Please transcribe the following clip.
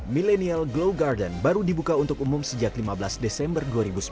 millennial glow garden baru dibuka untuk umum sejak lima belas desember dua ribu sembilan belas